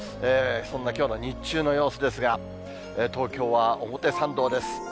そんなきょうの日中の様子ですが、東京は表参道です。